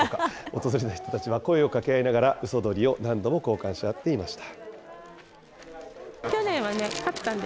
訪れた人たちは声を掛け合いながら、うそ鳥を何度も交換し合っていました。